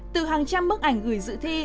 từ hàng trăm bức ảnh gửi dự thi